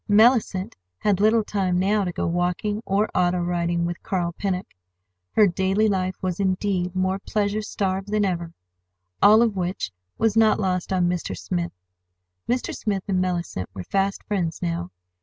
Mellicent had little time now to go walking or auto riding with Carl Pennock. Her daily life was, indeed, more pleasure starved than ever—all of which was not lost on Mr. Smith. Mr. Smith and Mellicent were fast friends now.